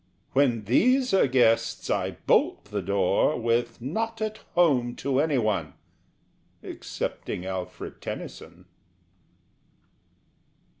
When these are guests I bolt the door, With Not at Home to any one Excepting Alfred Tennyson.